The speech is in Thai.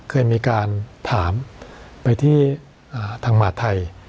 เคยมีการถามไปที่อ่าทางมารทไทย